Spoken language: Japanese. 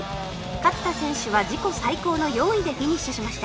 勝田選手は自己最高の４位でフィニッシュしました